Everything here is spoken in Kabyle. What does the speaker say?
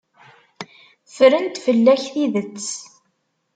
Ffrent fell-ak tidet.